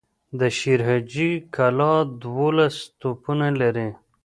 د شير حاجي کلا دولس توپونه لري.